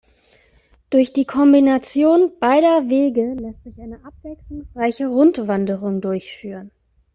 Durch die Kombination beider Wege lässt sich eine abwechslungsreiche Rundwanderung durchführen.